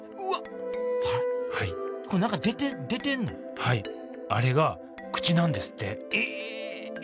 はいあれが口なんですってええ！？